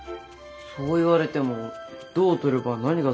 そう言われてもどう撮れば何が伝わるのか。